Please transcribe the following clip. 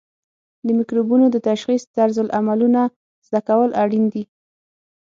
د مکروبونو د تشخیص طرزالعملونه زده کول اړین دي.